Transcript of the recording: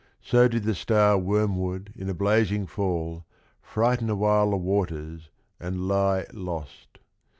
So Did the Star Wormwood in a blazing fall Frighten awhile the waters and lie lost.